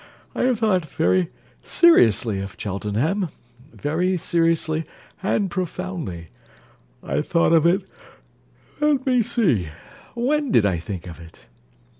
I have thought very seriously of Cheltenham: very seriously and profoundly. I thought of it let me see when did I think of it?